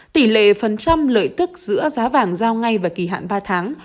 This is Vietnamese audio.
tỷ lệ phần trăm lợi tức giữa giá vàng giao ngay và kỳ hạn ba tháng